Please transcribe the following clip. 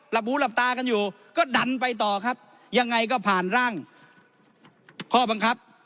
หูหลับตากันอยู่ก็ดันไปต่อครับยังไงก็ผ่านร่างข้อบังคับ